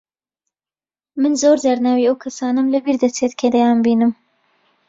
من زۆر جار ناوی ئەو کەسانەم لەبیر دەچێت کە دەیانبینم.